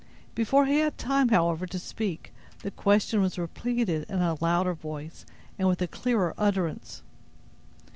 Before he had time, however, to speak, the question was repeated in a louder voice, and with a clearer utterance.